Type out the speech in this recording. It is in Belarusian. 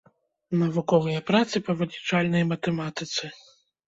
Навуковыя працы па вылічальнай матэматыцы.